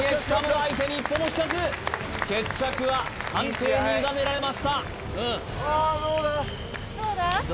相手に一歩も引かず決着は判定に委ねられましたどうだ？